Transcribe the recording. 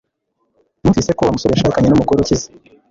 Numvise ko Wa musore yashakanye numugore ukize